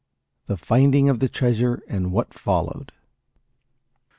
THE FINDING OF THE TREASURE: AND WHAT FOLLOWED.